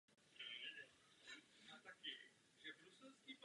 To je ponižující.